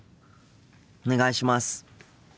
お願いします。